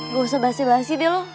gak usah basi basi deh lo